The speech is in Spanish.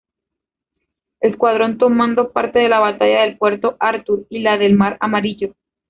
Escuadrón tomando parte de la Batalla de puerto Arthur y la del Mar Amarillo.